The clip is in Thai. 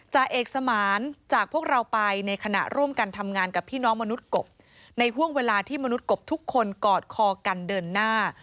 จ่าเอกสมานจากพวกเราไปในขณะร่วมกันทำงานกับพี่น้องมนุษย์กบในห่วงเวลาที่มนุษย์กบทุกคนกอดคอกันเดินหน้า